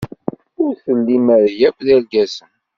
Ur tellim ara akk d irgazen.